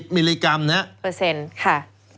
๕๐มิลลิกรัมนะเปอร์เซ็นต์ค่ะ